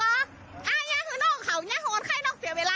อ้ายเนี่ยหื้อโน่งเขาเนี่ยของคนไข้โน่งเสียเวลาน่ะ